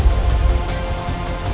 sampai jumpa lagi